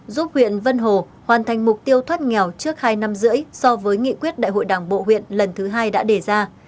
giúp huyện vân hồ hoàn thành mục tiêu thoát nghèo trước hai năm rưỡi so với nghị quyết đại hội đảng bộ huyện lần thứ hai đã đề ra